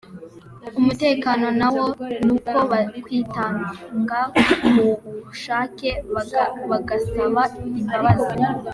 Umutekano wabo n’uko bakwitanga ku bushake bagasaba imbabazi.”